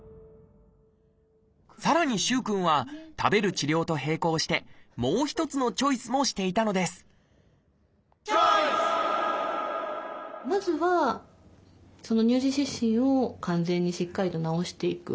さらに萩くんは食べる治療と並行してもう一つのチョイスもしていたのですまずは乳児湿疹を完全にしっかりと治していく。